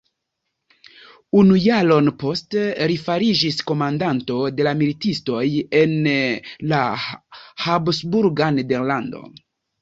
Unu jaron poste, li fariĝis komandanto de la militistoj en la habsburga nederlando.